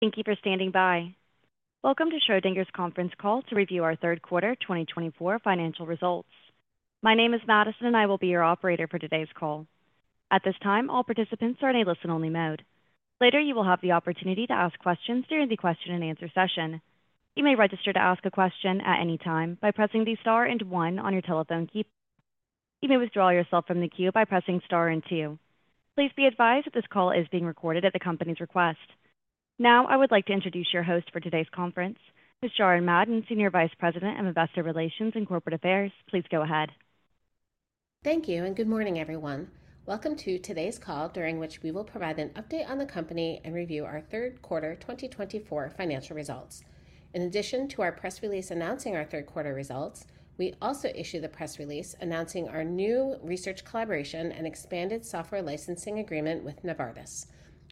Thank you for standing by. Welcome to Schrödinger's conference call to review our Q3 2024 financial results. My name is Madison, and I will be your operator for today's call. At this time, all participants are in a listen-only mode. Later, you will have the opportunity to ask questions during the question-and-answer session. You may register to ask a question at any time by pressing the star and one on your telephone keypad. You may withdraw yourself from the queue by pressing star and two. Please be advised that this call is being recorded at the company's request. Now, I would like to introduce your host for today's conference, Ms. Jaren Madden, Senior Vice President of Investor Relations and Corporate Affairs. Please go ahead. Thank you, and good morning, everyone. Welcome to today's call, during which we will provide an update on the company and review our Q3 2024 financial results. In addition to our press release announcing our Q3 results, we also issued the press release announcing our new research collaboration and expanded software licensing agreement with Novartis.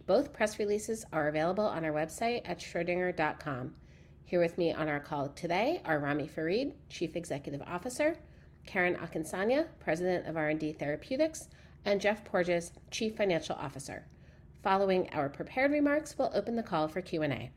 Both press releases are available on our website at schrödinger.com. Here with me on our call today are Ramy Farid, Chief Executive Officer, Karen Akinsanya, President of R&D Therapeutics, and Geoff Porges, Chief Financial Officer. Following our prepared remarks, we'll open the call for Q&A.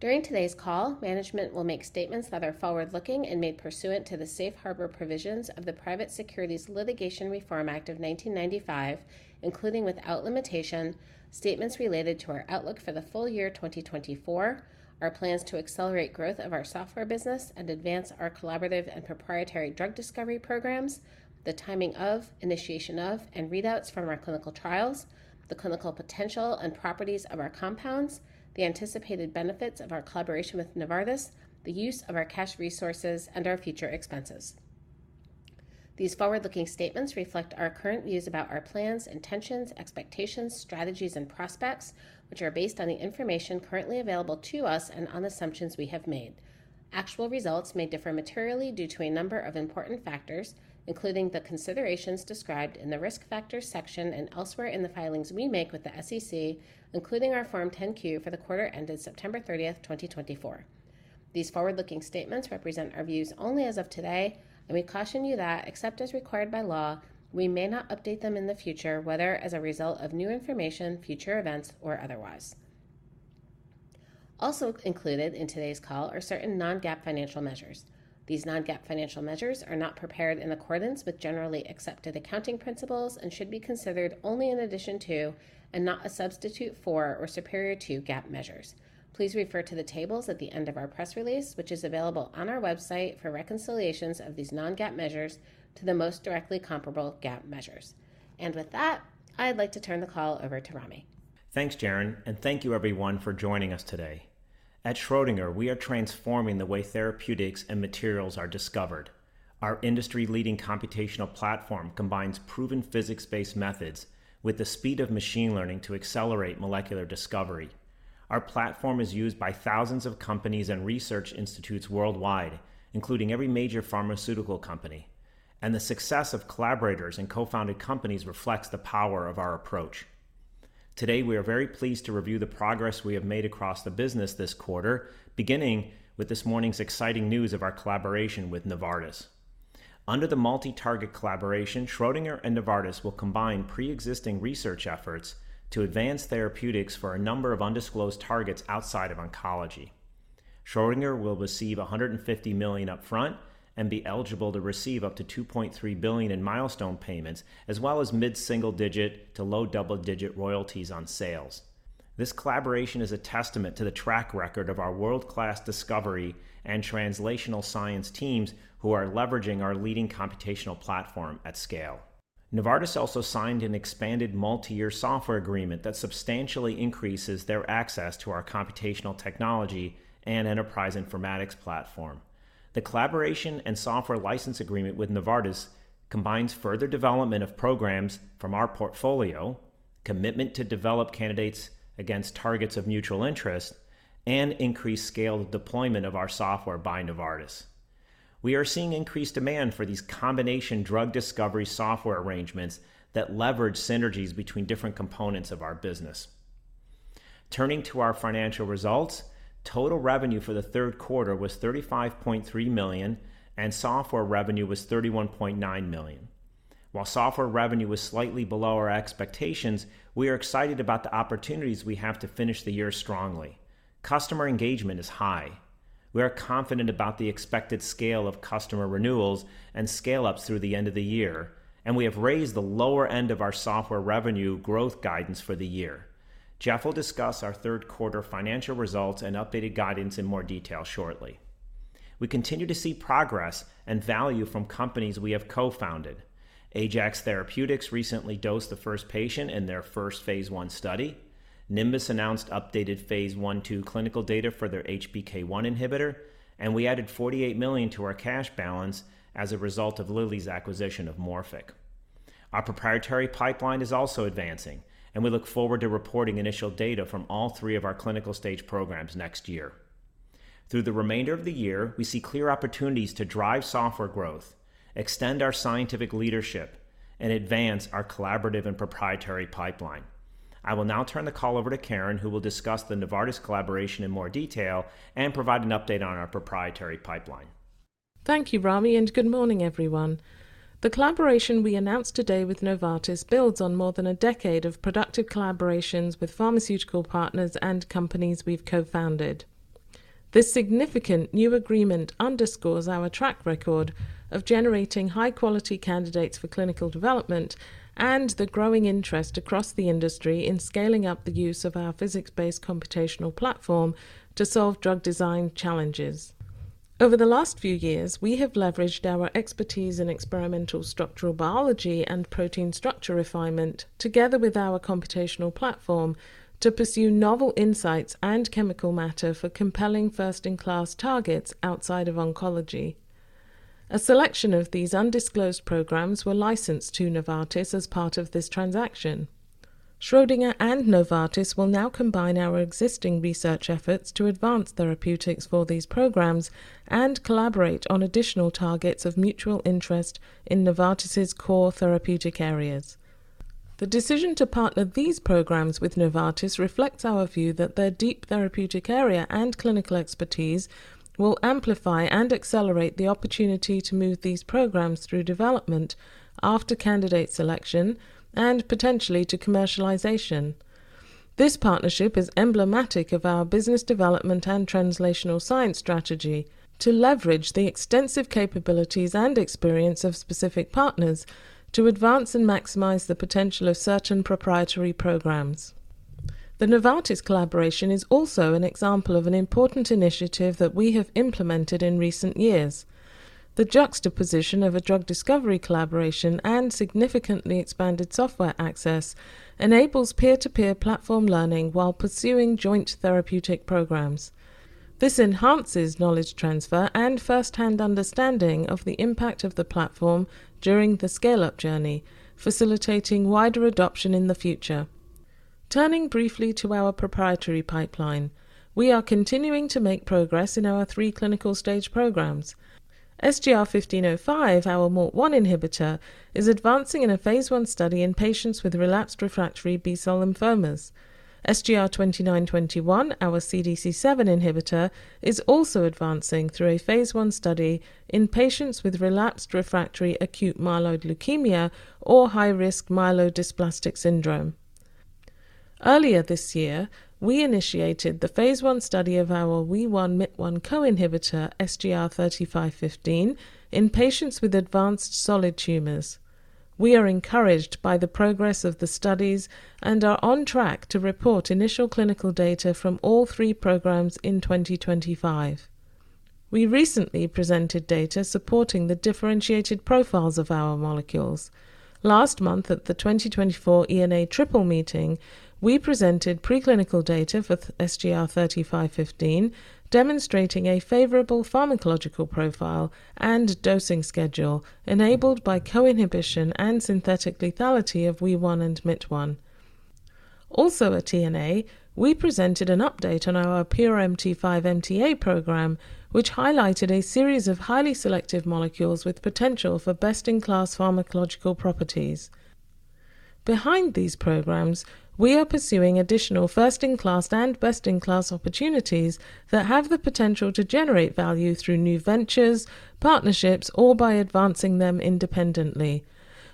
During today's call, management will make statements that are forward-looking and made pursuant to the safe harbor provisions of the Private Securities Litigation Reform Act of 1995, including without limitation, statements related to our outlook for the full year 2024, our plans to accelerate growth of our software business and advance our collaborative and proprietary drug discovery programs, the timing of initiation of and readouts from our clinical trials, the clinical potential and properties of our compounds, the anticipated benefits of our collaboration with Novartis, the use of our cash resources, and our future expenses. These forward-looking statements reflect our current views about our plans, intentions, expectations, strategies, and prospects, which are based on the information currently available to us and on assumptions we have made. Actual results may differ materially due to a number of important factors, including the considerations described in the risk factor section and elsewhere in the filings we make with the SEC, including our Form 10-Q for the quarter ended September 30th, 2024. These forward-looking statements represent our views only as of today, and we caution you that, except as required by law, we may not update them in the future, whether as a result of new information, future events, or otherwise. Also included in today's call are certain non-GAAP financial measures. These non-GAAP financial measures are not prepared in accordance with generally accepted accounting principles and should be considered only in addition to and not a substitute for or superior to GAAP measures. Please refer to the tables at the end of our press release, which is available on our website for reconciliations of these non-GAAP measures to the most directly comparable GAAP measures. And with that, I'd like to turn the call over to Ramy. Thanks, Jaren, and thank you, everyone, for joining us today. At Schrödinger, we are transforming the way therapeutics and materials are discovered. Our industry-leading computational platform combines proven physics-based methods with the speed of machine learning to accelerate molecular discovery. Our platform is used by thousands of companies and research institutes worldwide, including every major pharmaceutical company. And the success of collaborators and co-founded companies reflects the power of our approach. Today, we are very pleased to review the progress we have made across the business this quarter, beginning with this morning's exciting news of our collaboration with Novartis. Under the multi-target collaboration, Schrödinger and Novartis will combine pre-existing research efforts to advance therapeutics for a number of undisclosed targets outside of oncology. Schrödinger will receive $150 million upfront and be eligible to receive up to $2.3 billion in milestone payments, as well as mid-single-digit to low double-digit royalties on sales. This collaboration is a testament to the track record of our world-class discovery and translational science teams who are leveraging our leading computational platform at scale. Novartis also signed an expanded multi-year software agreement that substantially increases their access to our computational technology and enterprise informatics platform. The collaboration and software license agreement with Novartis combines further development of programs from our portfolio, commitment to develop candidates against targets of mutual interest, and increased scale deployment of our software by Novartis. We are seeing increased demand for these combination drug discovery software arrangements that leverage synergies between different components of our business. Turning to our financial results, total revenue for the Q3 was $35.3 million, and software revenue was $31.9 million. While software revenue was slightly below our expectations, we are excited about the opportunities we have to finish the year strongly. Customer engagement is high. We are confident about the expected scale of customer renewals and scale-ups through the end of the year, and we have raised the lower end of our software revenue growth guidance for the year. Geoff will discuss our Q3 financial results and updated guidance in more detail shortly. We continue to see progress and value from companies we have co-founded. Ajax Therapeutics recently dosed the first patient in their first phase 1 study. Nimbus announced updated phase 1/2 clinical data for their HPK1 inhibitor, and we added $48 million to our cash balance as a result of Lilly's acquisition of Morphic. Our proprietary pipeline is also advancing, and we look forward to reporting initial data from all three of our clinical stage programs next year. Through the remainder of the year, we see clear opportunities to drive software growth, extend our scientific leadership, and advance our collaborative and proprietary pipeline. I will now turn the call over to Karen, who will discuss the Novartis collaboration in more detail and provide an update on our proprietary pipeline. Thank you, Ramy, and good morning, everyone. The collaboration we announced today with Novartis builds on more than a decade of productive collaborations with pharmaceutical partners and companies we've co-founded. This significant new agreement underscores our track record of generating high-quality candidates for clinical development and the growing interest across the industry in scaling up the use of our physics-based computational platform to solve drug design challenges. Over the last few years, we have leveraged our expertise in experimental structural biology and protein structure refinement, together with our computational platform, to pursue novel insights and chemical matter for compelling first-in-class targets outside of oncology. A selection of these undisclosed programs were licensed to Novartis as part of this transaction. Schrödinger and Novartis will now combine our existing research efforts to advance therapeutics for these programs and collaborate on additional targets of mutual interest in Novartis' core therapeutic areas. The decision to partner these programs with Novartis reflects our view that their deep therapeutic area and clinical expertise will amplify and accelerate the opportunity to move these programs through development after candidate selection and potentially to commercialization. This partnership is emblematic of our business development and translational science strategy to leverage the extensive capabilities and experience of specific partners to advance and maximize the potential of certain proprietary programs. The Novartis collaboration is also an example of an important initiative that we have implemented in recent years. The juxtaposition of a drug discovery collaboration and significantly expanded software access enables peer-to-peer platform learning while pursuing joint therapeutic programs. This enhances knowledge transfer and firsthand understanding of the impact of the platform during the scale-up journey, facilitating wider adoption in the future. Turning briefly to our proprietary pipeline, we are continuing to make progress in our three clinical stage programs. SGR-1505, our MALT1 inhibitor, is advancing in a phase one study in patients with relapsed refractory B-cell lymphomas. SGR-2921, our CDC7 inhibitor, is also advancing through a phase one study in patients with relapsed refractory acute myeloid leukemia or high-risk myelodysplastic syndrome. Earlier this year, we initiated the phase one study of our Wee1/Myt1 co-inhibitor, SGR-3515, in patients with advanced solid tumors. We are encouraged by the progress of the studies and are on track to report initial clinical data from all three programs in 2025. We recently presented data supporting the differentiated profiles of our molecules. Last month, at the 2024 EORTC-NCI-AACR Symposium, we presented preclinical data for SGR-3515, demonstrating a favorable pharmacological profile and dosing schedule enabled by co-inhibition and synthetic lethality of Wee1 and Myt1. Also, at ENA, we presented an update on our PRMT5-MTA program, which highlighted a series of highly selective molecules with potential for best-in-class pharmacological properties. Behind these programs, we are pursuing additional first-in-class and best-in-class opportunities that have the potential to generate value through new ventures, partnerships, or by advancing them independently.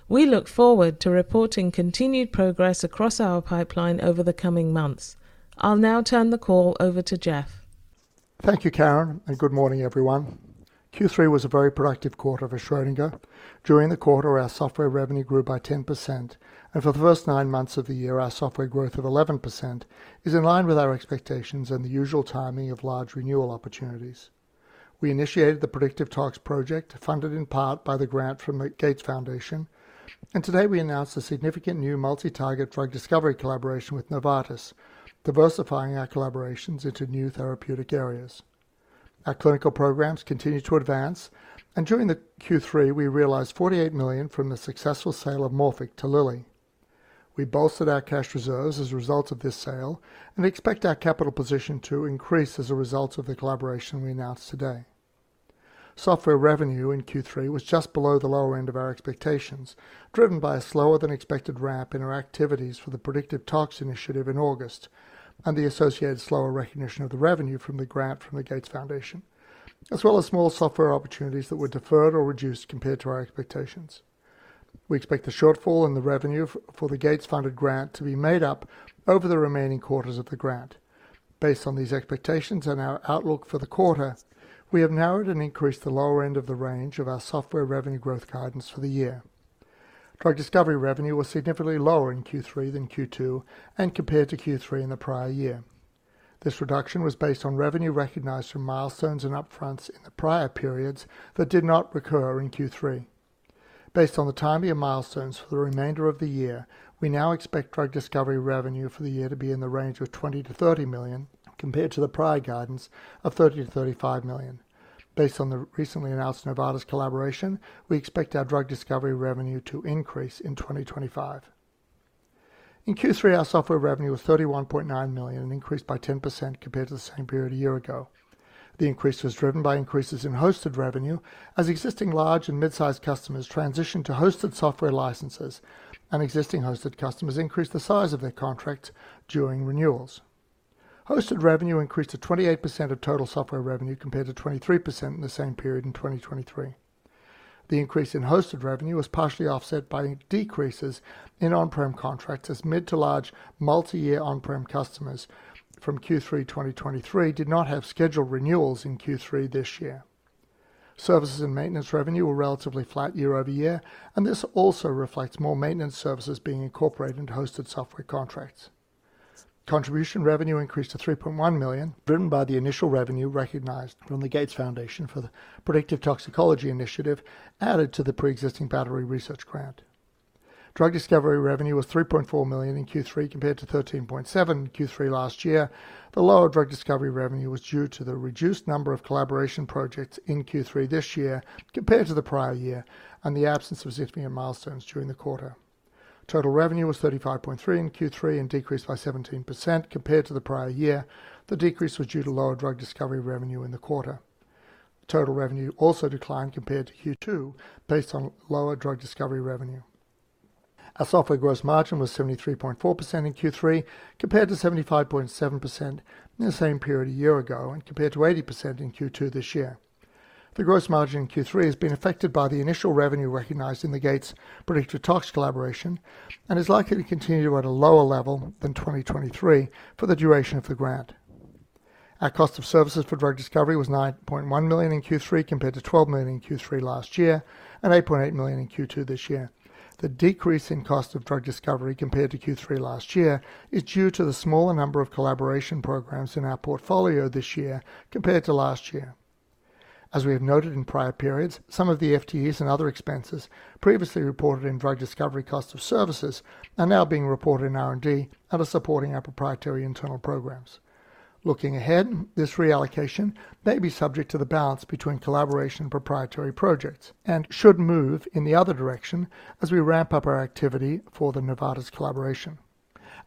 We look forward to reporting continued progress across our pipeline over the coming months. I'll now turn the call over to Geoff. Thank you, Karen, and good morning, everyone. Q3 was a very productive quarter for Schrödinger. During the quarter, our software revenue grew by 10%, and for the first nine months of the year, our software growth of 11% is in line with our expectations and the usual timing of large renewal opportunities. We initiated the Predictive Toxicology Initiative, funded in part by the grant from the Gates Foundation, and today we announced a significant new multi-target drug discovery collaboration with Novartis, diversifying our collaborations into new therapeutic areas. Our clinical programs continue to advance, and during the Q3, we realized $48 million from the successful sale of Morphic to Lilly. We bolstered our cash reserves as a result of this sale and expect our capital position to increase as a result of the collaboration we announced today. Software revenue in Q3 was just below the lower end of our expectations, driven by a slower-than-expected ramp in our activities for the Predictive Toxicology Initiative in August and the associated slower recognition of the revenue from the grant from the Bill & Melinda Gates Foundation, as well as small software opportunities that were deferred or reduced compared to our expectations. We expect the shortfall in the revenue for the Bill & Melinda Gates Foundation-funded grant to be made up over the remaining quarters of the grant. Based on these expectations and our outlook for the quarter, we have narrowed and increased the lower end of the range of our software revenue growth guidance for the year. Drug discovery revenue was significantly lower in Q3 than Q2 and compared to Q3 in the prior year. This reduction was based on revenue recognized from milestones and upfronts in the prior periods that did not recur in Q3. Based on the timing of milestones for the remainder of the year, we now expect drug discovery revenue for the year to be in the range of $20 million - $30 million compared to the prior guidance of $30 million to $35 million. Based on the recently announced Novartis collaboration, we expect our drug discovery revenue to increase in 2025. In Q3, our software revenue was $31.9 million and increased by 10% compared to the same period a year ago. The increase was driven by increases in hosted revenue, as existing large and mid-sized customers transitioned to hosted software licenses, and existing hosted customers increased the size of their contracts during renewals. Hosted revenue increased to 28% of total software revenue compared to 23% in the same period in 2023. The increase in hosted revenue was partially offset by decreases in on-prem contracts, as mid-to-large multi-year on-prem customers from Q3 2023 did not have scheduled renewals in Q3 this year. Services and maintenance revenue were relatively flat year over year, and this also reflects more maintenance services being incorporated into hosted software contracts. Contribution revenue increased to $3.1 million, driven by the initial revenue recognized from the Gates Foundation for the Predictive Toxicology Initiative, added to the pre-existing battery research grant. Drug discovery revenue was $3.4 million in Q3 compared to $13.7 million in Q3 last year. The lower drug discovery revenue was due to the reduced number of collaboration projects in Q3 this year compared to the prior year and the absence of significant milestones during the quarter. Total revenue was $35.3 million in Q3 and decreased by 17% compared to the prior year. The decrease was due to lower drug discovery revenue in the quarter. Total revenue also declined compared to Q2 based on lower drug discovery revenue. Our software gross margin was 73.4% in Q3 compared to 75.7% in the same period a year ago and compared to 80% in Q2 this year. The gross margin in Q3 has been affected by the initial revenue recognized in the Gates Predictive Toxicology Initiative collaboration and is likely to continue at a lower level than 2023 for the duration of the grant. Our cost of services for drug discovery was $9.1 million in Q3 compared to $12 million in Q3 last year and $8.8 million in Q2 this year. The decrease in cost of drug discovery compared to Q3 last year is due to the smaller number of collaboration programs in our portfolio this year compared to last year. As we have noted in prior periods, some of the FTEs and other expenses previously reported in drug discovery cost of services are now being reported in R&D and are supporting our proprietary internal programs. Looking ahead, this reallocation may be subject to the balance between collaboration and proprietary projects and should move in the other direction as we ramp up our activity for the Novartis collaboration.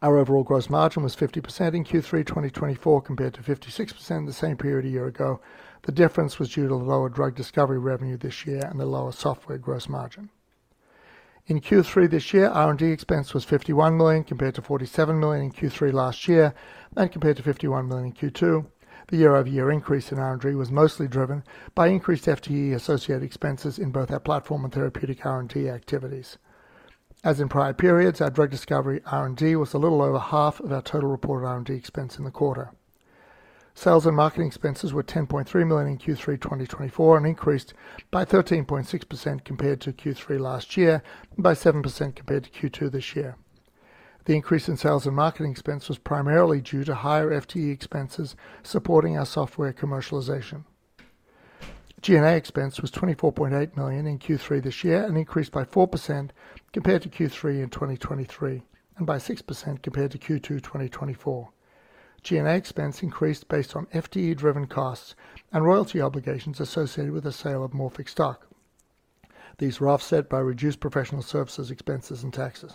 Our overall gross margin was 50% in Q3 2024 compared to 56% in the same period a year ago. The difference was due to the lower drug discovery revenue this year and the lower software gross margin. In Q3 this year, R&D expense was $51 million compared to $47 million in Q3 last year and compared to $51 million in Q2. The year-over-year increase in R&D was mostly driven by increased FTE-associated expenses in both our platform and therapeutic R&D activities. As in prior periods, our drug discovery R&D was a little over half of our total reported R&D expense in the quarter. Sales and marketing expenses were $10.3 million in Q3 2024 and increased by 13.6% compared to Q3 last year and by 7% compared to Q2 this year. The increase in sales and marketing expense was primarily due to higher FTE expenses supporting our software commercialization. G&A expense was $24.8 million in Q3 this year and increased by 4% compared to Q3 in 2023 and by 6% compared to Q2 2024. G&A expense increased based on FTE-driven costs and royalty obligations associated with the sale of Morphic stock. These were offset by reduced professional services expenses and taxes.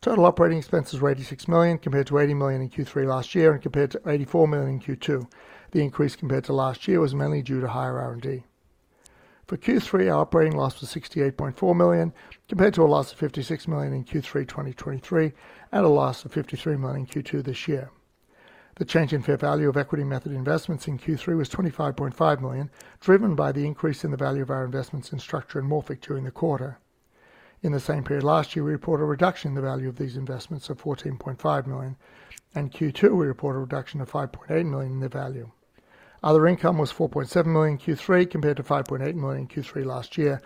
Total operating expenses were $86 million compared to $80 million in Q3 last year and compared to $84 million in Q2. The increase compared to last year was mainly due to higher R&D. For Q3, our operating loss was $68.4 million compared to a loss of $56 million in Q3 2023 and a loss of $53 million in Q2 this year. The change in fair value of equity method investments in Q3 was $25.5 million, driven by the increase in the value of our investments in Structure and Morphic during the quarter. In the same period last year, we reported a reduction in the value of these investments of $14.5 million, and Q2, we reported a reduction of $5.8 million in the value. Other income was $4.7 million in Q3 compared to $5.8 million in Q3 last year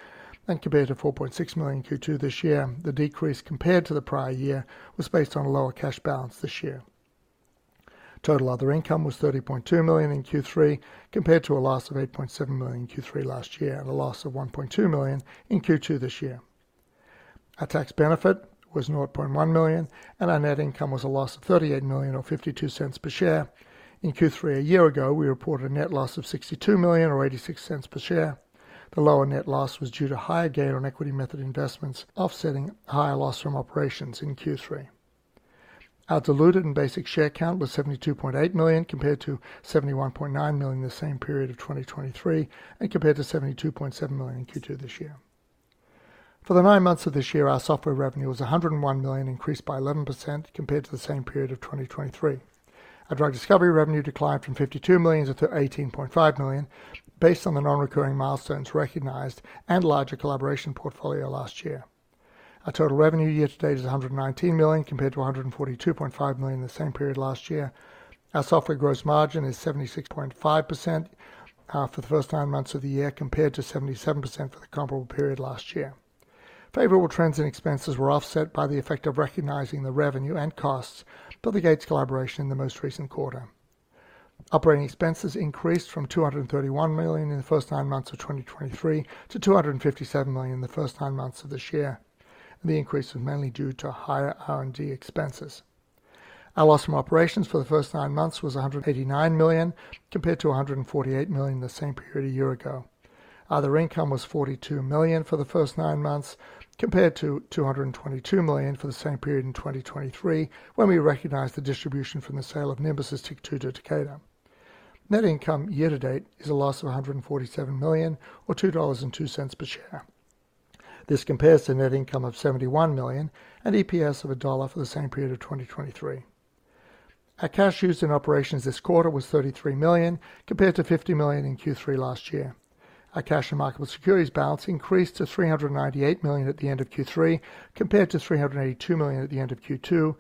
and compared to $4.6 million in Q2 this year. The decrease compared to the prior year was based on a lower cash balance this year. Total other income was $30.2 million in Q3 compared to a loss of $8.7 million in Q3 last year and a loss of $1.2 million in Q2 this year. Our tax benefit was $0.1 million, and our net income was a loss of $38 million or $0.52 per share. In Q3 a year ago, we reported a net loss of $62 million or $0.86 per share. The lower net loss was due to higher gain on equity method investments, offsetting higher loss from operations in Q3. Our diluted and basic share count was 72.8 million compared to 71.9 million in the same period of 2023 and compared to 72.7 million in Q2 this year. For the nine months of this year, our software revenue was $101 million, increased by 11% compared to the same period of 2023. Our drug discovery revenue declined from $52 million to $18.5 million based on the non-recurring milestones recognized and larger collaboration portfolio last year. Our total revenue year-to-date is $119 million compared to $142.5 million in the same period last year. Our software gross margin is 76.5% for the first nine months of the year compared to 77% for the comparable period last year. Favorable trends in expenses were offset by the effect of recognizing the revenue and costs for the Gates collaboration in the most recent quarter. Operating expenses increased from $231 million in the first nine months of 2023 to $257 million in the first nine months of this year. The increase was mainly due to higher R&D expenses. Our loss from operations for the first nine months was $189 million compared to $148 million in the same period a year ago. Other income was $42 million for the first nine months compared to $222 million for the same period in 2023 when we recognized the distribution from the sale of Nimbus's TYK2 inhibitor. Net income year-to-date is a loss of $147 million or $2.02 per share. This compares to net income of $71 million and EPS of $1 for the same period of 2023. Our cash used in operations this quarter was $33 million compared to $50 million in Q3 last year. Our cash and marketable securities balance increased to $398 million at the end of Q3 compared to $382 million at the end of Q2.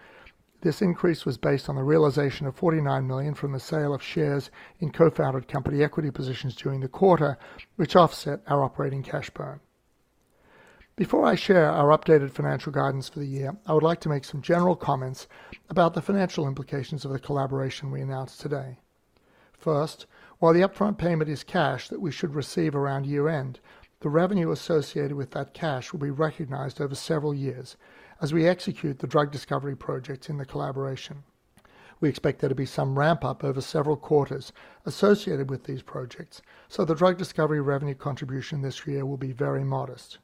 This increase was based on the realization of $49 million from the sale of shares in co-founded company equity positions during the quarter, which offset our operating cash burn. Before I share our updated financial guidance for the year, I would like to make some general comments about the financial implications of the collaboration we announced today. First, while the upfront payment is cash that we should receive around year-end, the revenue associated with that cash will be recognized over several years as we execute the drug discovery projects in the collaboration. We expect there to be some ramp-up over several quarters associated with these projects, so the drug discovery revenue contribution this year will be very modest.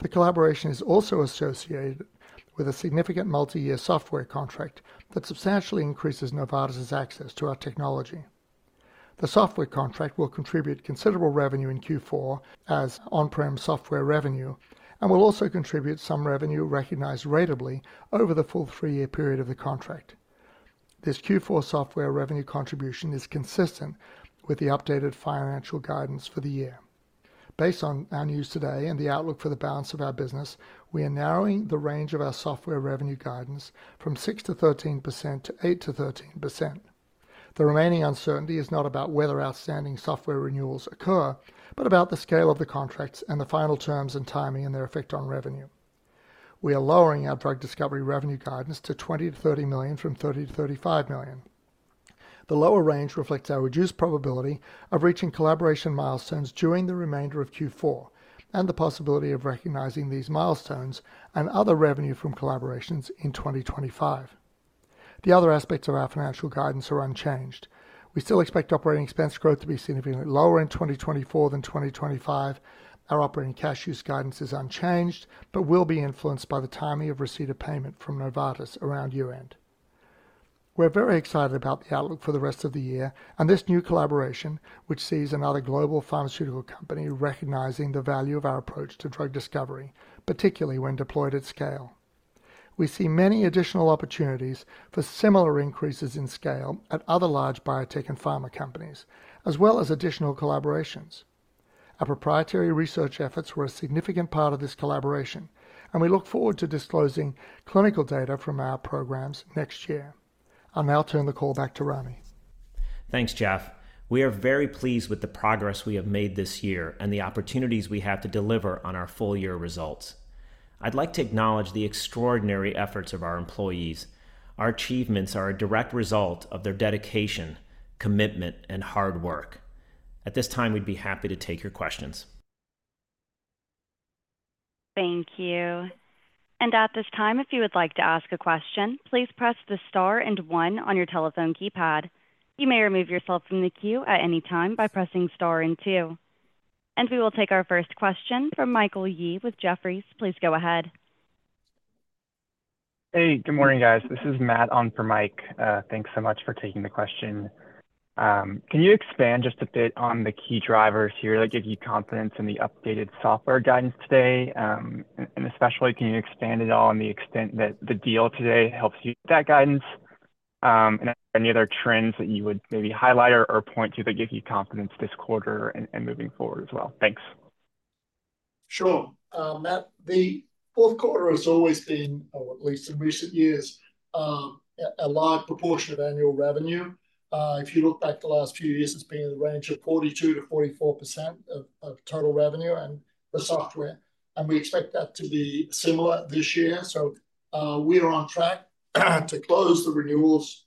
The collaboration is also associated with a significant multi-year software contract that substantially increases Novartis's access to our technology. The software contract will contribute considerable revenue in Q4 as on-prem software revenue and will also contribute some revenue recognized ratably over the full three-year period of the contract. This Q4 software revenue contribution is consistent with the updated financial guidance for the year. Based on our news today and the outlook for the balance of our business, we are narrowing the range of our software revenue guidance 6% - 13% to 8% - 13%. The remaining uncertainty is not about whether outstanding software renewals occur, but about the scale of the contracts and the final terms and timing and their effect on revenue. We are lowering our drug discovery revenue guidance to $20 million-$30 million from $30 million - $35 million. The lower range reflects our reduced probability of reaching collaboration milestones during the remainder of Q4 and the possibility of recognizing these milestones and other revenue from collaborations in 2025. The other aspects of our financial guidance are unchanged. We still expect operating expense growth to be significantly lower in 2024 than 2025. Our operating cash use guidance is unchanged but will be influenced by the timing of receipt of payment from Novartis around year-end. We're very excited about the outlook for the rest of the year and this new collaboration, which sees another global pharmaceutical company recognizing the value of our approach to drug discovery, particularly when deployed at scale. We see many additional opportunities for similar increases in scale at other large biotech and pharma companies, as well as additional collaborations. Our proprietary research efforts were a significant part of this collaboration, and we look forward to disclosing clinical data from our programs next year. I'll now turn the call back to Ramy. Thanks, Geoff. We are very pleased with the progress we have made this year and the opportunities we have to deliver on our full-year results. I'd like to acknowledge the extraordinary efforts of our employees. Our achievements are a direct result of their dedication, commitment, and hard work. At this time, we'd be happy to take your questions. Thank you. And at this time, if you would like to ask a question, please press the star and one on your telephone keypad. You may remove yourself from the queue at any time by pressing star and two. And we will take our first question from Michael Yee with Jefferies. Please go ahead. Hey, good morning, guys. This is Matt on for Mike. Thanks so much for taking the question. Can you expand just a bit on the key drivers here that give you confidence in the updated software guidance today? And especially, can you expand it on the extent that the deal today helps you with that guidance? Any other trends that you would maybe highlight or point to that give you confidence this quarter and moving forward as well? Thanks. Sure. Matt, the Q4 has always been, or at least in recent years, a large proportion of annual revenue. If you look back the last few years, it's been in the range of 42%-44% of total revenue and the software. And we expect that to be similar this year. So we are on track to close the renewals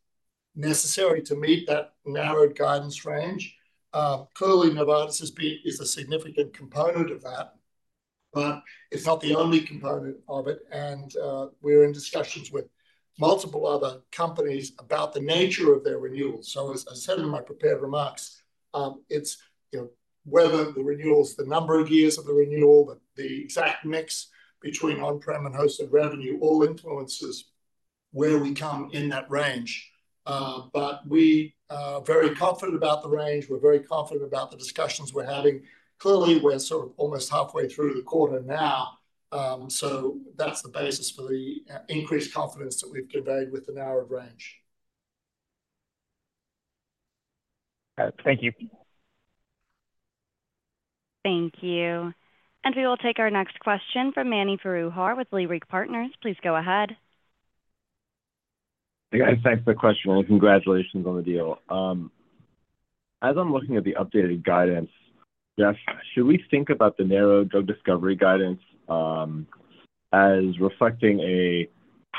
necessary to meet that narrowed guidance range. Clearly, Novartis's deal is a significant component of that, but it's not the only component of it. And we're in discussions with multiple other companies about the nature of their renewals. So as I said in my prepared remarks, it's whether the renewals, the number of years of the renewal, the exact mix between on-prem and hosted revenue all influences where we come in that range. But we are very confident about the range. We're very confident about the discussions we're having. Clearly, we're sort of almost halfway through the quarter now. So that's the basis for the increased confidence that we've conveyed with the narrowed range. Thank you. Thank you. And we will take our next question from Mani Foroohar with Leerink Partners. Please go ahead. Thanks for the question and congratulations on the deal. As I'm looking at the updated guidance, Geoff, should we think about the narrow drug discovery guidance as reflecting a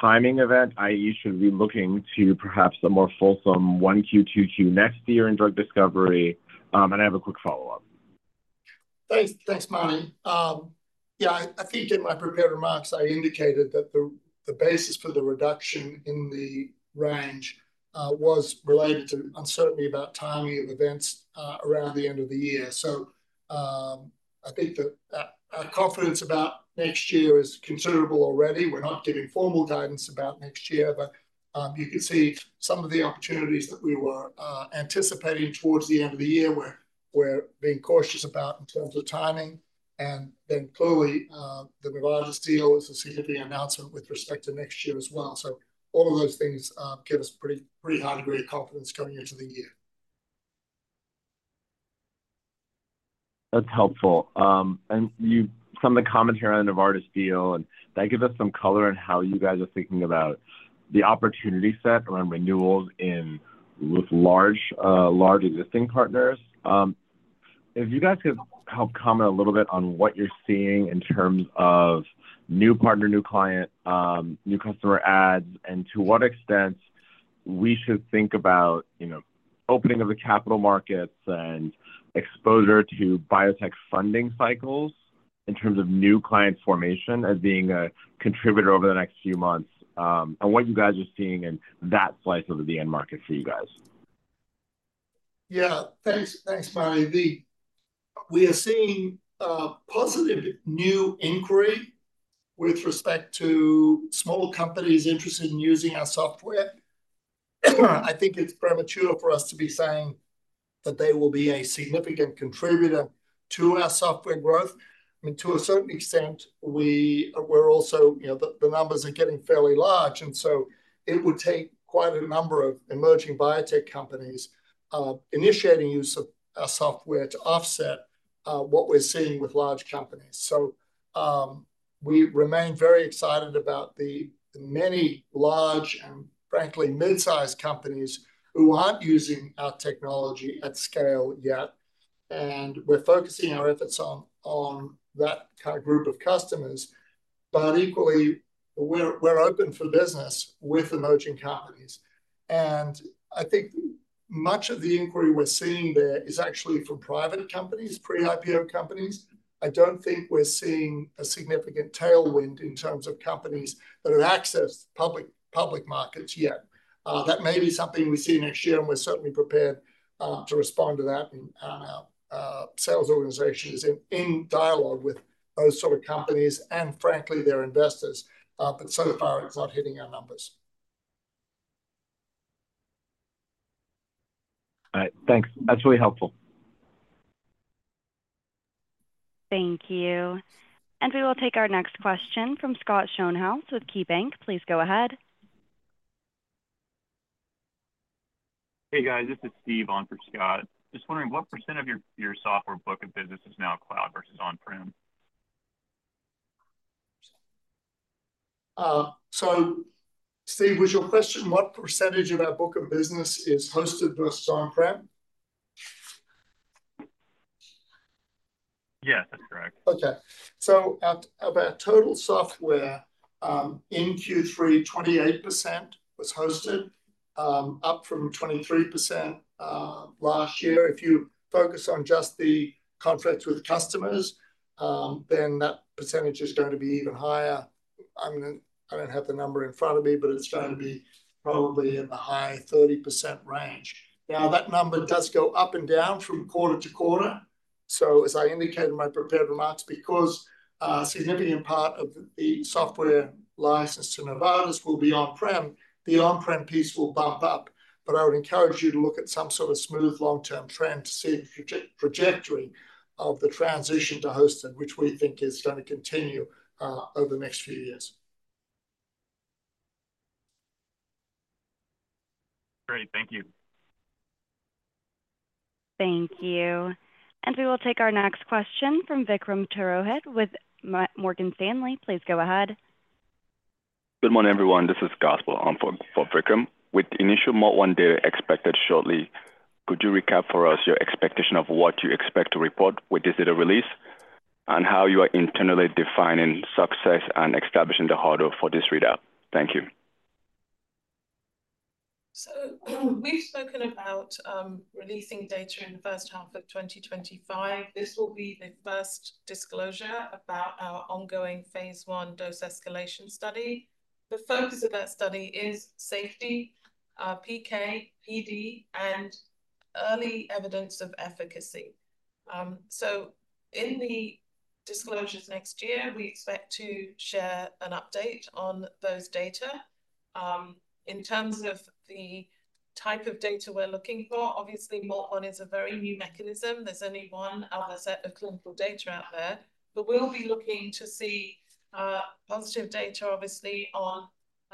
timing event? I.e., should we be looking to perhaps a more fulsome Q1, Q2 next year in drug discovery? I have a quick follow-up. Thanks, Mani. Yeah, I think in my prepared remarks, I indicated that the basis for the reduction in the range was related to uncertainty about timing of events around the end of the year. I think that our confidence about next year is considerable already. We're not giving formal guidance about next year, but you can see some of the opportunities that we were anticipating towards the end of the year were being cautious about in terms of timing. Then clearly, the Novartis deal is a significant announcement with respect to next year as well. All of those things give us a pretty high degree of confidence going into the year. That's helpful. Some of the comments here on the Novartis deal, and that gives us some color on how you guys are thinking about the opportunity set around renewals with large existing partners. If you guys could help comment a little bit on what you're seeing in terms of new partner, new client, new customer adds, and to what extent we should think about opening of the capital markets and exposure to biotech funding cycles in terms of new client formation as being a contributor over the next few months and what you guys are seeing in that slice of the end market for you guys. Yeah, thanks, Mani. We are seeing positive new inquiry with respect to small companies interested in using our software. I think it's premature for us to be saying that they will be a significant contributor to our software growth. I mean, to a certain extent, we're also the numbers are getting fairly large, and so it would take quite a number of emerging biotech companies initiating use of our software to offset what we're seeing with large companies. So we remain very excited about the many large and, frankly, mid-sized companies who aren't using our technology at scale yet. And we're focusing our efforts on that kind of group of customers, but equally, we're open for business with emerging companies. And I think much of the inquiry we're seeing there is actually from private companies, pre-IPO companies. I don't think we're seeing a significant tailwind in terms of companies that have accessed public markets yet. That may be something we see next year, and we're certainly prepared to respond to that in our sales organizations in dialogue with those sort of companies and, frankly, their investors. But so far, it's not hitting our numbers. All right. Thanks. That's really helpful. Thank you. And we will take our next question from Scott Schoenhaus with KeyBanc. Please go ahead. Hey, guys. This is Steve on for Scott. Just wondering, what percent of your software book of business is now cloud versus on-prem? So, Steve, was your question what percentage of our book of business is hosted versus on-prem? Yes, that's correct. Okay. So of our total software in Q3, 28% was hosted, up from 23% last year. If you focus on just the contracts with customers, then that percentage is going to be even higher. I don't have the number in front of me, but it's going to be probably in the high 30% range. Now, that number does go up and down from quarter to quarter. So, as I indicated in my prepared remarks, because a significant part of the software license to Novartis will be on-prem, the on-prem piece will bump up. But I would encourage you to look at some sort of smooth long-term trend to see the trajectory of the transition to hosted, which we think is going to continue over the next few years. Great. Thank you. Thank you. And we will take our next question from Vikram Purohit with Morgan Stanley. Please go ahead. Good morning, everyone. This is Gospel for Vikram. With the initial MALT1 data expected shortly, could you recap for us your expectation of what you expect to report with this data release and how you are internally defining success and establishing the hurdle for this readout? Thank you. So we've spoken about releasing data in the first half of 2025. This will be the first disclosure about our ongoing phase 1 dose escalation study. The focus of that study is safety, PK, PD, and early evidence of efficacy. So in the disclosures next year, we expect to share an update on those data. In terms of the type of data we're looking for, obviously, MALT1 is a very new mechanism. There's only one other set of clinical data out there. But we'll be looking to see positive data, obviously, on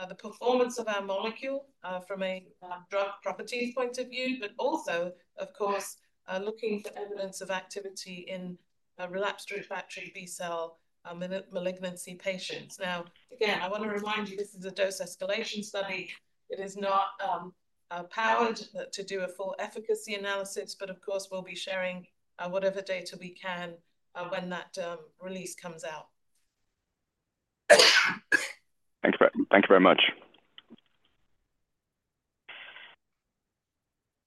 the performance of our molecule from a drug properties point of view, but also, of course, looking for evidence of activity in relapsed refractory B-cell malignancy patients. Now, again, I want to remind you this is a dose escalation study. It is not powered to do a full efficacy analysis, but of course, we'll be sharing whatever data we can when that release comes out. Thank you very much.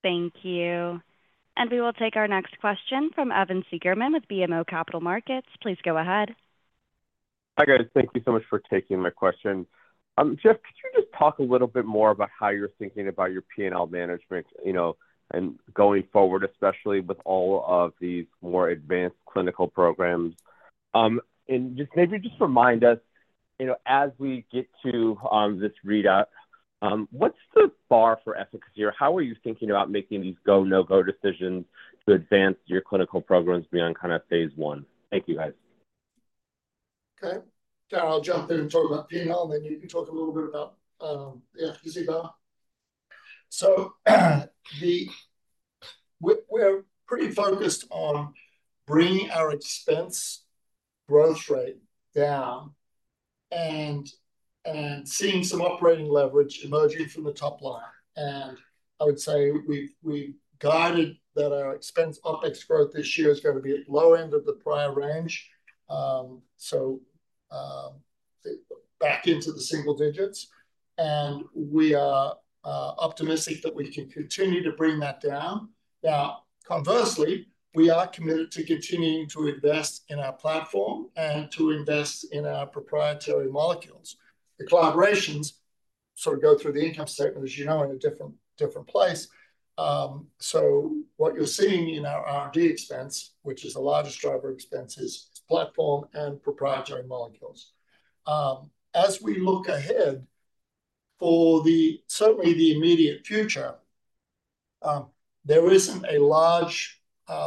Thank you. And we will take our next question from Evan Seigerman with BMO Capital Markets. Please go ahead. Hi, guys. Thank you so much for taking my question. Geoff, could you just talk a little bit more about how you're thinking about your P&L management and going forward, especially with all of these more advanced clinical programs? And maybe just remind us, as we get to this readout, what's the bar for efficacy? Or how are you thinking about making these go, no-go decisions to advance your clinical programs beyond kind of phase one? Thank you, guys. Okay. I'll jump in and talk about P&L, and then you can talk a little bit about efficacy bar. We're pretty focused on bringing our expense growth rate down and seeing some operating leverage emerging from the top line. I would say we've guided that our expense OpEx growth this year is going to be at the low end of the prior range, so back into the single digits. We are optimistic that we can continue to bring that down. Now, conversely, we are committed to continuing to invest in our platform and to invest in our proprietary molecules. The collaborations sort of go through the income statement, as you know, in a different place. What you're seeing in our R&D expense, which is the largest driver of expenses, is platform and proprietary molecules. As we look ahead for certainly the immediate future,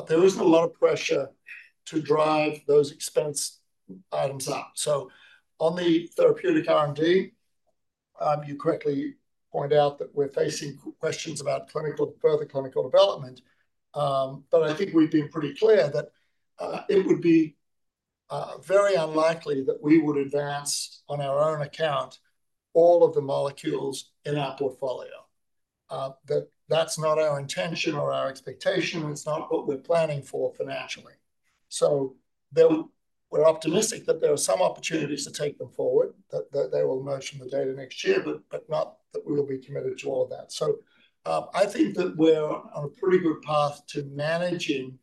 there isn't a lot of pressure to drive those expense items up. On the therapeutic R&D, you correctly point out that we're facing questions about further clinical development. But I think we've been pretty clear that it would be very unlikely that we would advance on our own account all of the molecules in our portfolio. That's not our intention or our expectation. It's not what we're planning for financially. So we're optimistic that there are some opportunities to take them forward, that they will emerge from the data next year, but not that we will be committed to all of that. So I think that we're on a pretty good path to managing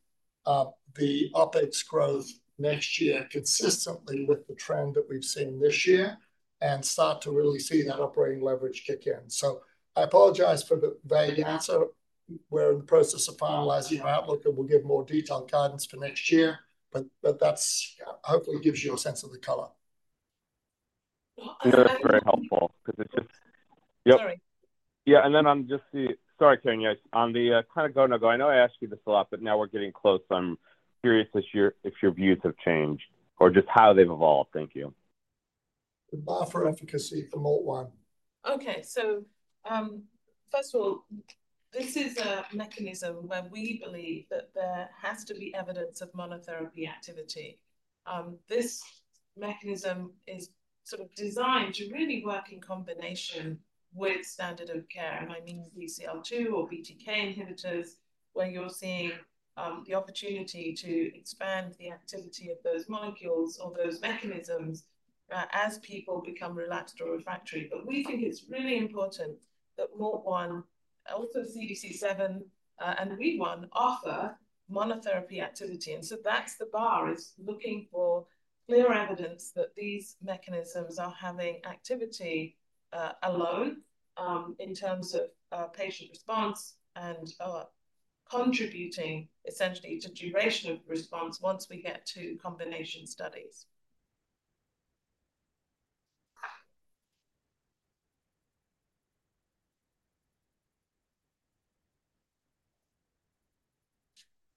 the OpEx growth next year consistently with the trend that we've seen this year and start to really see that operating leverage kick in. So I apologize for the vague answer. We're in the process of finalizing our outlook, and we'll give more detailed guidance for next year. But that hopefully gives you a sense of the color. That's very helpful and then on Karen Akinsanya. On the kind of go, no-go, I know I asked you this a lot, but now we're getting close. So I'm curious if your views have changed or just how they've evolved. Thank you. The bar for efficacy, the MALT1. Okay. So first of all, this is a mechanism where we believe that there has to be evidence of monotherapy activity. This mechanism is sort of designed to really work in combination with standard of care. And I mean BCL2 or BTK inhibitors, where you're seeing the opportunity to expand the activity of those molecules or those mechanisms as people become relapsed or refractory. But we think it's really important that MALT1, also CDC7 and Wee1 offer monotherapy activity. And so that's the bar, is looking for clear evidence that these mechanisms are having activity alone in terms of patient response and contributing essentially to duration of response once we get to combination studies.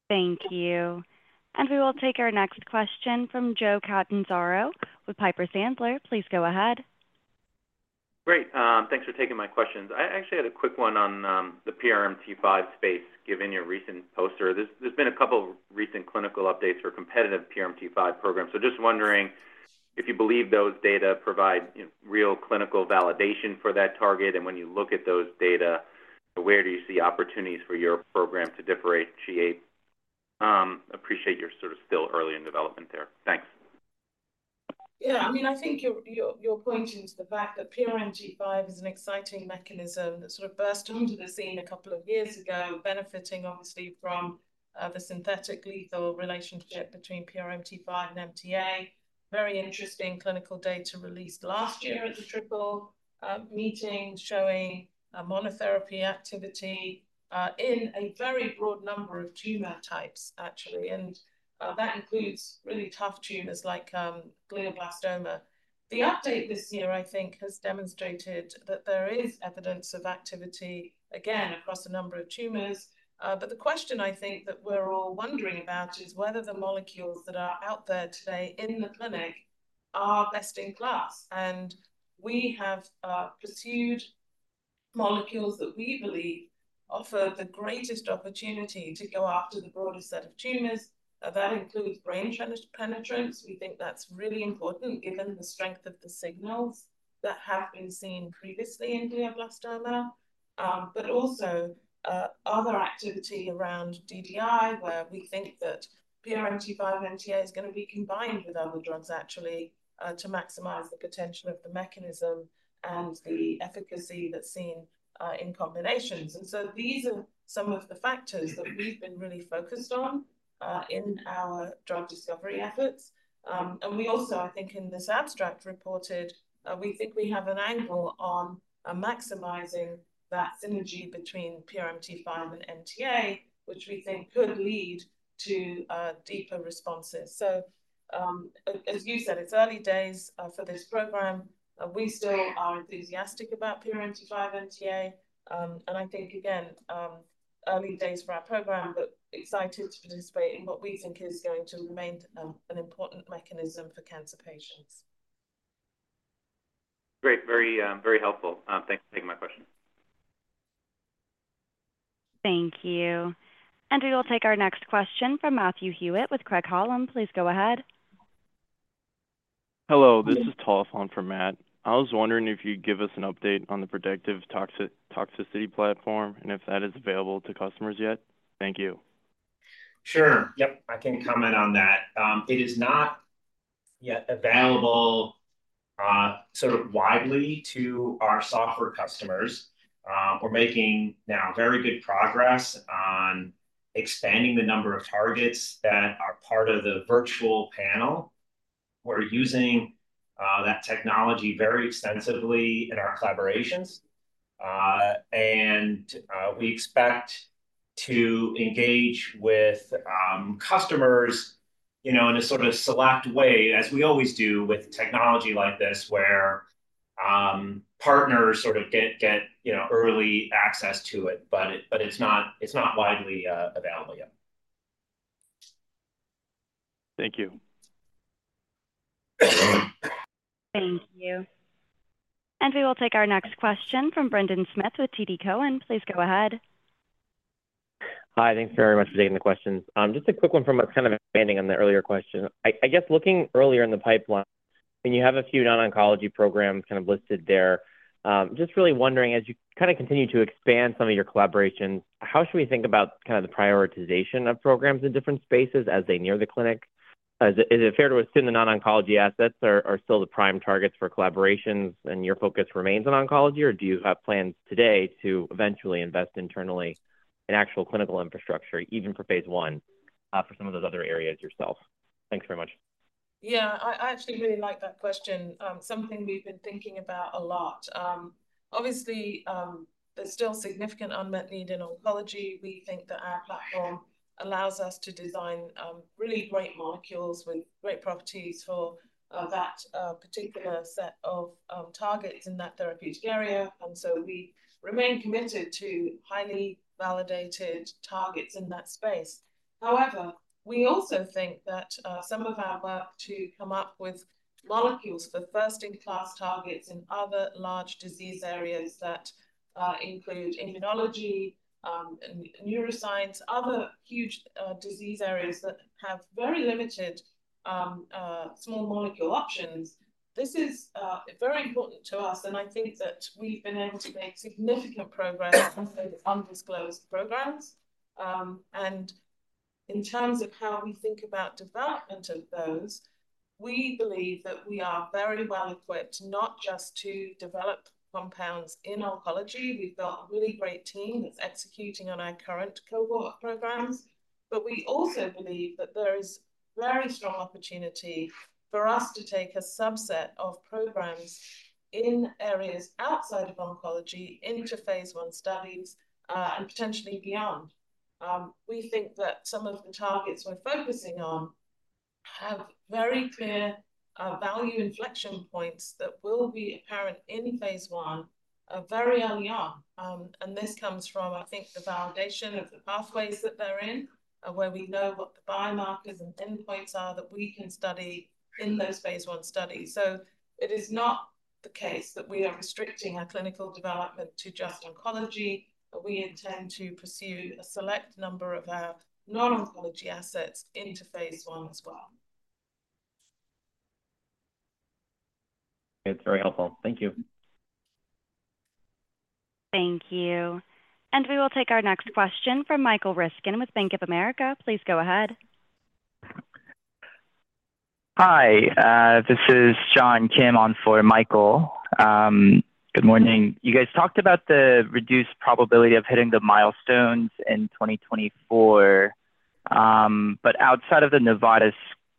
Thank you. And we will take our next question from Joe Catanzaro with Piper Sandler. Please go ahead. Great. Thanks for taking my questions. I actually had a quick one on the PRMT5 space, given your recent poster. There's been a couple of recent clinical updates for competitive PRMT5 programs. So just wondering if you believe those data provide real clinical validation for that target. And when you look at those data, where do you see opportunities for your program to differentiate? Appreciate you're sort of still early in development there. Thanks. Yeah. I mean, I think your point is the fact that PRMT5 is an exciting mechanism that sort of burst onto the scene a couple of years ago, benefiting, obviously, from the synthetic lethal relationship between PRMT5 and MTA. Very interesting clinical data released last year at the triple meeting showing monotherapy activity in a very broad number of tumor types, actually, and that includes really tough tumors like glioblastoma. The update this year, I think, has demonstrated that there is evidence of activity, again, across a number of tumors, but the question I think that we're all wondering about is whether the molecules that are out there today in the clinic are best in class, and we have pursued molecules that we believe offer the greatest opportunity to go after the broader set of tumors. That includes brain penetrance. We think that's really important given the strength of the signals that have been seen previously in glioblastoma, but also other activity around DDI, where we think that PRMT5 and MTA is going to be combined with other drugs, actually, to maximize the potential of the mechanism and the efficacy that's seen in combinations, and so these are some of the factors that we've been really focused on in our drug discovery efforts, and we also, I think, in this abstract reported, we think we have an angle on maximizing that synergy between PRMT5 and MTA, which we think could lead to deeper responses, so as you said, it's early days for this program. We still are enthusiastic about PRMT5 and MTA, and I think, again, early days for our program, but excited to participate in what we think is going to remain an important mechanism for cancer patients. Great. Very helpful. Thanks for taking my question. Thank you. And we will take our next question from Matthew Hewitt with Craig-Hallum. Please go ahead. Hello. This is Taufan from Matt. I was wondering if you'd give us an update on the predictive toxicology platform and if that is available to customers yet. Thank you. Sure. Yep. I can comment on that. It is not yet available sort of widely to our software customers. We're making now very good progress on expanding the number of targets that are part of the virtual panel. We're using that technology very extensively in our collaborations. And we expect to engage with customers in a sort of select way, as we always do with technology like this, where partners sort of get early access to it. But it's not widely available yet. Thank you. And we will take our next question from Brendan Smith with TD Cowen. Please go ahead. Hi. Thanks very much for taking the question. Just a quick one from kind of expanding on the earlier question. I guess looking earlier in the pipeline, and you have a few non-oncology programs kind of listed there. Just really wondering, as you kind of continue to expand some of your collaborations, how should we think about kind of the prioritization of programs in different spaces as they near the clinic? Is it fair to assume the non-oncology assets are still the prime targets for collaborations and your focus remains on oncology, or do you have plans today to eventually invest internally in actual clinical infrastructure, even for phase one, for some of those other areas yourself? Thanks very much. Yeah. I actually really like that question. Something we've been thinking about a lot. Obviously, there's still significant unmet need in oncology. We think that our platform allows us to design really great molecules with great properties for that particular set of targets in that therapeutic area. And so we remain committed to highly validated targets in that space. However, we also think that some of our work to come up with molecules for first-in-class targets in other large disease areas that include immunology, neuroscience, other huge disease areas that have very limited small molecule options, this is very important to us. And I think that we've been able to make significant progress on those undisclosed programs. And in terms of how we think about development of those, we believe that we are very well equipped not just to develop compounds in oncology. We've got a really great team that's executing on our current cohort programs. But we also believe that there is very strong opportunity for us to take a subset of programs in areas outside of oncology into phase one studies and potentially beyond. We think that some of the targets we're focusing on have very clear value inflection points that will be apparent in phase one very early on. And this comes from, I think, the validation of the pathways that they're in, where we know what the biomarkers and endpoints are that we can study in those phase one studies. So it is not the case that we are restricting our clinical development to just oncology. We intend to pursue a select number of our non-oncology assets into phase one as well. It's very helpful. Thank you. Thank you. And we will take our next question from Michael Ryskin with Bank of America. Please go ahead. Hi. This is Sean Kim on for Michael. Good morning. You guys talked about the reduced probability of hitting the milestones in 2024. But outside of the Novartis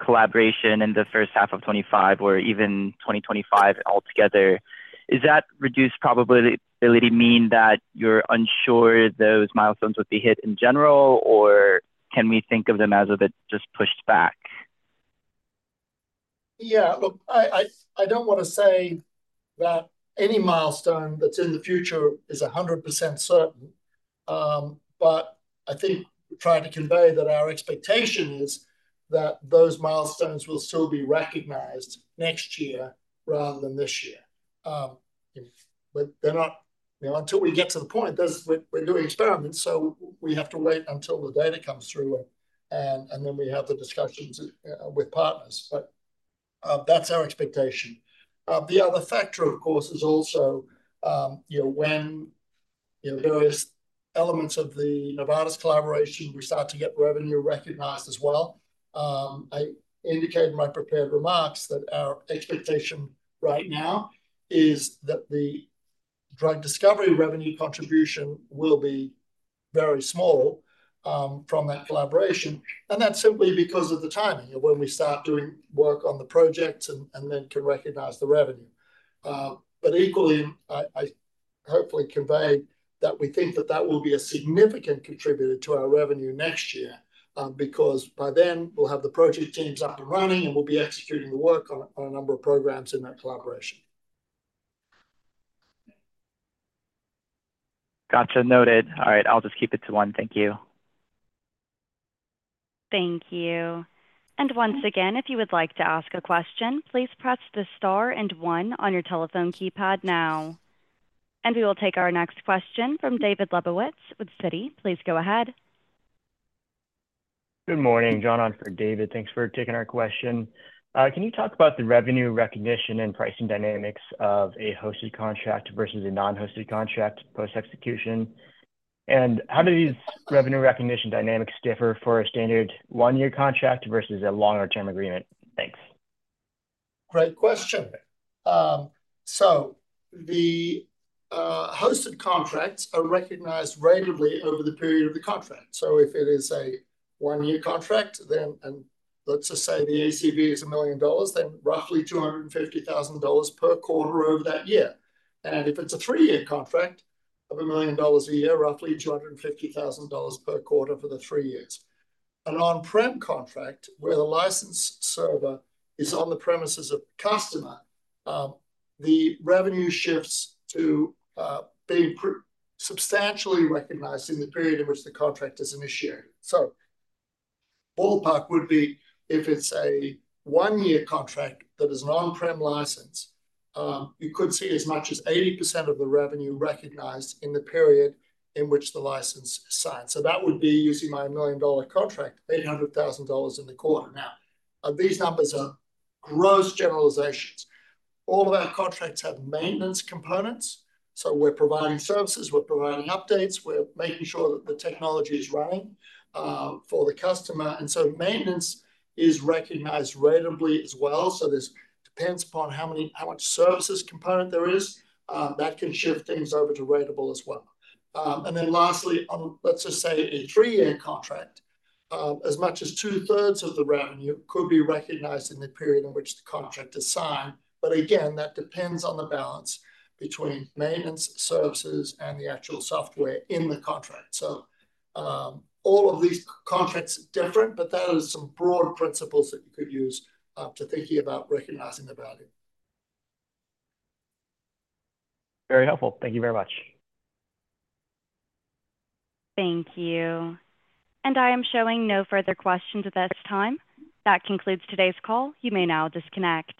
collaboration in the first half of 2025 or even 2025 altogether, does that reduced probability mean that you're unsure those milestones would be hit in general, or can we think of them as a bit just pushed back? Yeah. Look, I don't want to say that any milestone that's in the future is 100% certain. But I think we're trying to convey that our expectation is that those milestones will still be recognized next year rather than this year. But until we get to the point, we're doing experiments. So we have to wait until the data comes through, and then we have the discussions with partners. But that's our expectation. The other factor, of course, is also when various elements of the Novartis collaboration, we start to get revenue recognized as well. I indicated in my prepared remarks that our expectation right now is that the drug discovery revenue contribution will be very small from that collaboration. And that's simply because of the timing of when we start doing work on the projects and then can recognize the revenue. But equally, I hopefully conveyed that we think that that will be a significant contributor to our revenue next year because by then, we'll have the project teams up and running, and we'll be executing the work on a number of programs in that collaboration. Gotcha. Noted. All right. I'll just keep it to one. Thank you. Thank you. And once again, if you would like to ask a question, please press the star and one on your telephone keypad now. We will take our next question from David Lebowitz with Citi. Please go ahead. Good morning. John on for David. Thanks for taking our question. Can you talk about the revenue recognition and pricing dynamics of a hosted contract versus a non-hosted contract post-execution? And how do these revenue recognition dynamics differ for a standard one-year contract versus a longer-term agreement? Great question. The hosted contracts are recognized regularly over the period of the contract. If it is a one-year contract, and let's just say the ACV is $1 million, then roughly $250,000 per quarter over that year. And if it's a three-year contract of $1 million a year, roughly $250,000 per quarter for the three years. An on-prem contract where the license server is on the premises of the customer, the revenue shifts to being substantially recognized in the period in which the contract is initiated. So ballpark would be if it's a one-year contract that is an on-prem license, you could see as much as 80% of the revenue recognized in the period in which the license is signed. So that would be, using my $1 million contract, $800,000 in the quarter. Now, these numbers are gross generalizations. All of our contracts have maintenance components. So we're providing services. We're providing updates. We're making sure that the technology is running for the customer. And so maintenance is recognized ratably as well. So this depends upon how much services component there is. That can shift things over to ratable as well. And then lastly, let's just say a three-year contract, as much as two-thirds of the revenue could be recognized in the period in which the contract is signed. But again, that depends on the balance between maintenance, services, and the actual software in the contract. So all of these contracts are different, but that is some broad principles that you could use to think about recognizing the value. Very helpful. Thank you very much. Thank you. And I am showing no further questions at this time. That concludes today's call. You may now disconnect.